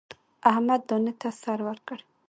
احمد دانې ته سر ورکړ.